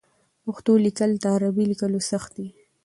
پښتو لیکل تر عربي لیکلو سخت دي.